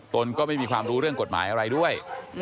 ตนก็ไม่มีความรู้เรื่องกฎหมายอะไรด้วย